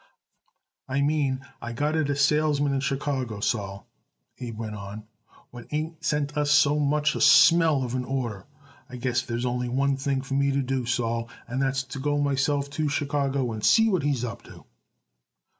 "I mean I got it a salesman in Chicago, Sol," Abe went on, "what ain't sent us so much as a smell of an order. I guess there's only one thing for me to do, Sol, and that's to go myself to Chicago and see what he's up to."